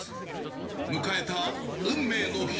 迎えた運命の日。